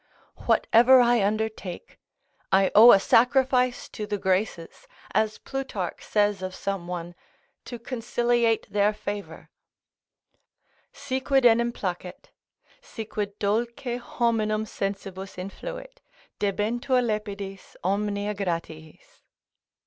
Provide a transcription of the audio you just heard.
Whatever I undertake, I owe a sacrifice to the Graces, as Plutarch says of some one, to conciliate their favour: "Si quid enim placet, Si quid dulce horninum sensibus influit, Debentur lepidis omnia Gratiis."